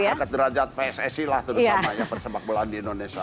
menaikan derajat pssi lah terus namanya persib sepak belah di indonesia